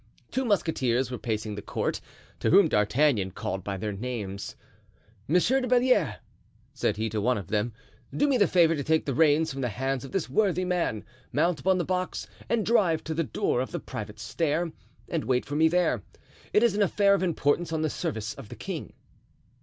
Two musketeers were pacing the court, to whom D'Artagnan called by their names. "Monsieur de Belliere," said he to one of them, "do me the favor to take the reins from the hands of this worthy man, mount upon the box and drive to the door of the private stair, and wait for me there; it is an affair of importance on the service of the king."